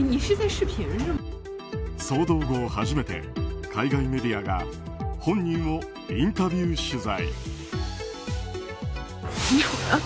騒動後初めて海外メディアが本人をインタビュー取材。